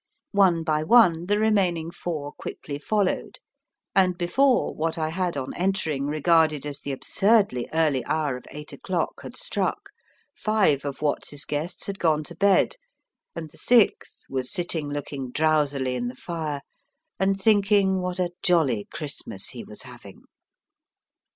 One by one the remaining four quickly followed, and before what I had on entering regarded as the absurdly early hour of eight o'clock had struck, five of Watts's guests had gone to bed, and the sixth was sitting looking drowsily in the fire, and thinking what a jolly Christmas he was having.